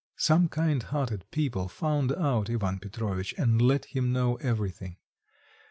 Some kind hearted people found out Ivan Petrovitch and let him know everything.